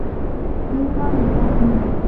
應該離開嘅人